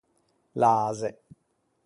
L’ase.